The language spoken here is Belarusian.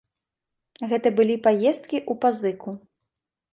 Гэта былі паездкі ў пазыку.